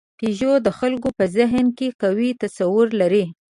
پيژو د خلکو په ذهن کې قوي تصور لري.